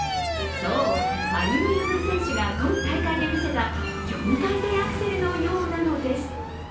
そう、羽生結弦選手が今大会で見せた４回転アクセルのようなのです。